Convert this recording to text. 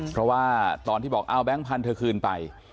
เพราะว่าตอนที่บอกเอาแบงค์พันธุ์เธอคืนไป